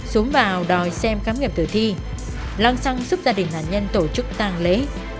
súng vào đòi xem khám nghiệm tử thi lăng xăng sức gia đình nạn nhân tổ chức tàng lễ